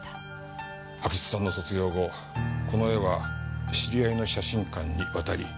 安芸津さんの卒業後この絵は知り合いの写真館に渡り